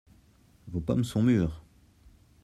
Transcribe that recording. Vos pommes sont mûres.